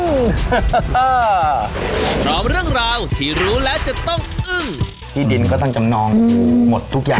พร้อมเรื่องราวที่รู้แล้วจะต้องอึ้งที่ดินก็ต้องจำนองหมดทุกอย่าง